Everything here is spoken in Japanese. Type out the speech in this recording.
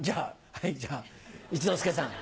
はいじゃあ一之輔さん。